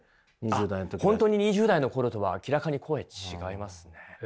あっ本当に２０代の頃とは明らかに声違いますね。